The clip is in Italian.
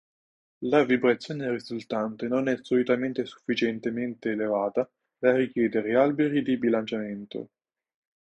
La vibrazione risultante non è solitamente sufficientemente elevata da richiedere alberi di bilanciamento.